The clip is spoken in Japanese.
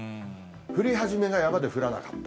降り始めが山で降らなかった。